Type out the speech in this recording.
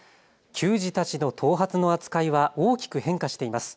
球児たちの頭髪の扱いは大きく変化しています。